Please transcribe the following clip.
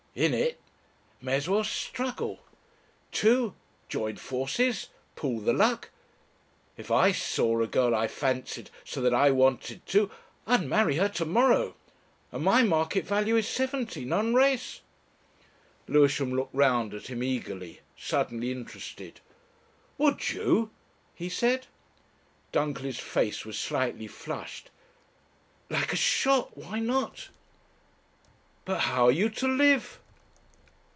In it may as well struggle. Two join forces pool the luck. If I saw, a girl I fancied so that I wanted to, I'd marry her to morrow. And my market value is seventy non res." Lewisham looked round at him eagerly, suddenly interested. "Would you?" he said. Dunkerley's face was slightly flushed. "Like a shot. Why not?" "But how are you to live?"